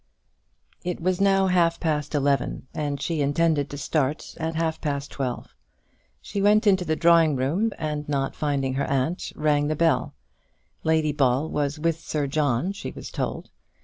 It was now half past eleven, and she intended to start at half past twelve. She went into the drawing room and not finding her aunt, rang the bell. Lady Ball was with Sir John, she was told.